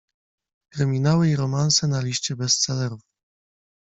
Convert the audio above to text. Kryminały i romanse na liście bestsellerów.